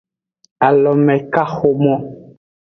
Alomekaxomo.